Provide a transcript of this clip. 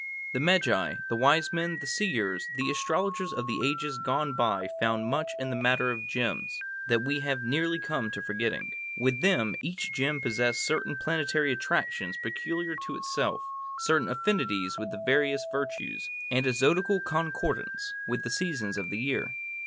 The magi, the wise men, the seers, the astrologers of the ages gone by found much in the matter of gems that we have nearly come to forgetting. With them each gem possessed certain planetary attractions peculiar to itself, certain affinities with the various virtues, and a zodiacal concordance with the seasons of the year.